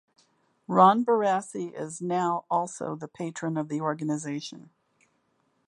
Ron Barassi is now also the patron of the organisation.